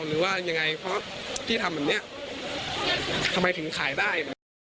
หรือว่ายังไงเพราะที่ทำแบบนี้ทำไมถึงขายได้